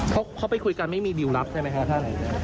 เขาไปคุยกันไม่มีดิวรับใช่ไหมครับท่าน